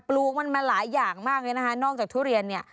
ลูกมันมาหลายอย่างมากเลยนะคะนอกจากทุเรียนเนี่ย